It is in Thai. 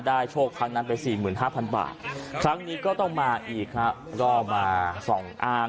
ได้โชคครั้งนั้นไป๔๕๐๐๐บาทคร้างนี้ก็ต้องมาอีกครับอีกรอมา๒อัง